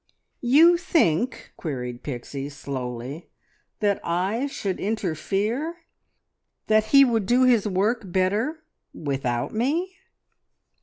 "You think," queried Pixie slowly, "that I should interfere ... that he would do his work better without me?"